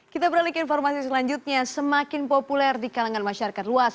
kita beralih ke informasi selanjutnya semakin populer di kalangan masyarakat luas